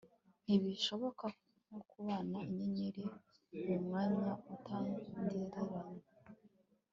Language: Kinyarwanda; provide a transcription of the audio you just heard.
Ntibishoboka nko kubara inyenyeri mumwanya utagereranywa